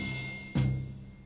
dia udah berangkat